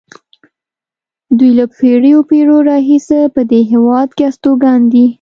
دوی له پېړیو پېړیو راهیسې په دې هېواد کې استوګن دي.